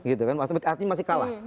artinya masih kalah